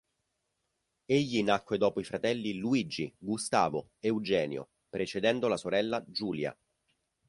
Egli nacque dopo i fratelli Luigi, Gustavo, Eugenio, precedendo la sorella Giulia.